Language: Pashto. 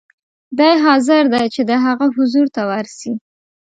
دی حاضر دی چې د هغه حضور ته ورسي.